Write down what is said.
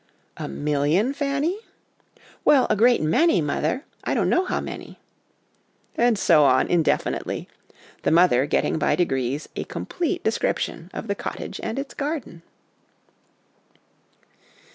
'A million, Fanny ?'' Well, a great many, mother ; I don't know how many.' And so on, indefinitely; the mother getting by degrees a complete description of the cottage and its garden.